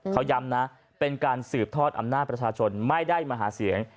เขาย้ำนะเป็นการสืบทอดอำนาจประชาชนไม่ได้มาหาเสียง